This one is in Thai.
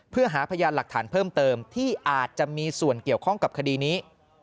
เพื่อหาพยานหลักฐานเพิ่มเติมที่อาจจะมีส่วนเกี่ยวข้องกับคดีนี้